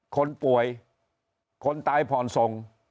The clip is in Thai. คนป่วยคนตายผ่อนส่ง